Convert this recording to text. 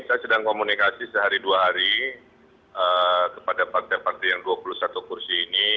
saya sedang komunikasi sehari dua hari kepada partai partai yang dua puluh satu kursi ini